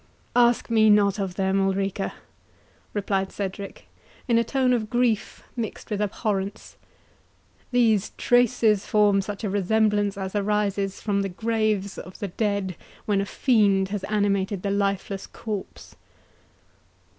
"Ask me not of them, Ulrica," replied Cedric, in a tone of grief mixed with abhorrence; "these traces form such a resemblance as arises from the graves of the dead, when a fiend has animated the lifeless corpse."